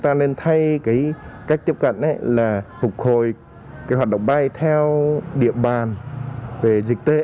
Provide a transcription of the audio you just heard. phục hồi hoạt động bay theo điểm bàn về dịch tễ